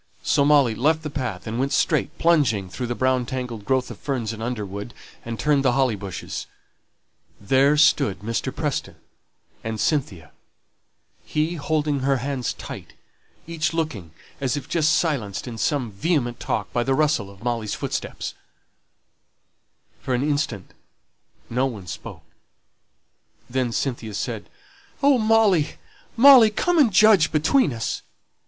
So Molly left the path, and went straight, plunging through the brown tangled growth of ferns and underwood, and turned the holly bushes. There stood Mr. Preston and Cynthia; he holding her hands tight, each looking as if just silenced in some vehement talk by the rustle of Molly's footsteps. [Illustration: THERE STOOD MR. PRESTON AND CYNTHIA.] For an instant no one spoke. Then Cynthia said, "Oh, Molly, Molly, come and judge between us!"